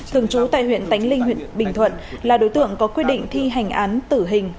thường trú tại huyện tánh linh huyện bình thuận là đối tượng có quyết định thi hành án tử hình